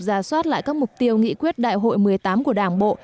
ra soát lại các mục tiêu nghị quyết đại hội một mươi tám của đảng bộ